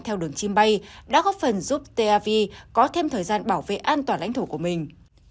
theo đường chim bay đã góp phần giúp teviv có thêm thời gian bảo vệ an toàn lãnh thổ của mình